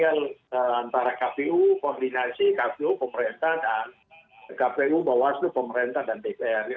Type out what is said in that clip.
jadi antara pkpu koordinasi pkpu pemerintah dan pkpu bawah itu pemerintah dan dpr